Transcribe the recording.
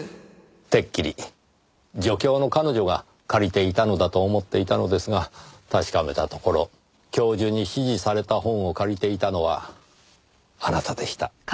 てっきり助教の彼女が借りていたのだと思っていたのですが確かめたところ教授に指示された本を借りていたのはあなたでした。